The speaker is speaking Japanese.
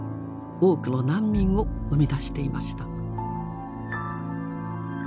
多くの難民を生み出していました。